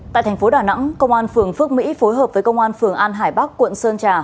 tại thành phố đà nẵng công an phường phước mỹ phối hợp với công an phường an hải bắc quận sơn trà